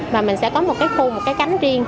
mà mình sẽ có một cái khu một cái cánh riêng